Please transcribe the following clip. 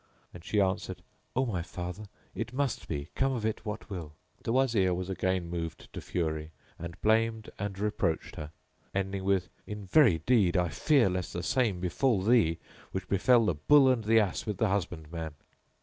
and she answered, "O my father it must be, come of it what will!" The Wazir was again moved to fury and blamed and reproached her, ending with, "In very deed—I fear lest the same befal thee which befel the Bull and the Ass with the Husband man."